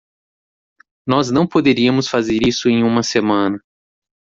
Nós não poderíamos fazer isso em uma semana!